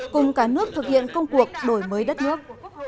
cùng cả nước thực hiện công cuộc đổi mới đất nước